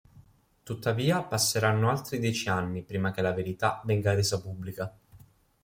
Tuttavia passeranno altri dieci anni prima che la verità venga resa pubblica.